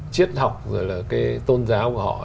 chiết học rồi là cái tôn giáo của họ